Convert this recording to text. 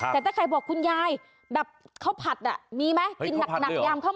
แต่ถ้าใครบอกคุณยายแบบ